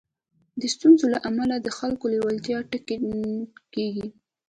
د ستونزو له امله د خلکو لېوالتيا ټکنۍ کېږي.